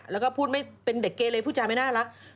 แล้วก็พูดไม่เป็นเด็กเกเลผู้จาไม่น่ารัก